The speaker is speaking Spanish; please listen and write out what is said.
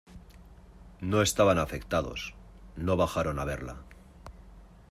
no estaban afectados. no bajaron a verla